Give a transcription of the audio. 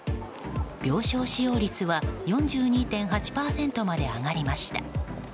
病床使用率は４２．８％まで上がりました。